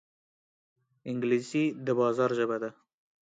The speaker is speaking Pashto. انګلیسي د بازار ژبه ده